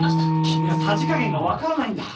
君はさじ加減が分からないんだ。